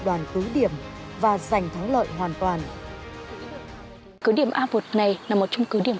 đoàn cứu điểm và giành thắng lợi hoàn toàn cứu điểm a một này là một trong cứu điểm